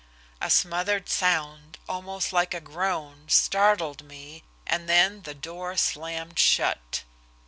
A smothered sound, almost like a groan, startled me, and then the door slammed shut.